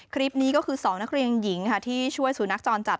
คลิปนี้ก็คือ๒นักเรียนหญิงค่ะที่ช่วยสูนักจรจัด